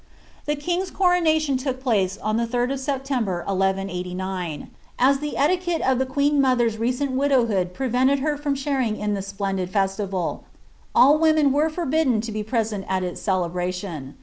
The king's coronation took place on the 3d of September, 1189. ii the etiquette of the queen mother's recent widowhood prevented Int from sharing in this splendid festival, all women were forbidden toll present at its celebration.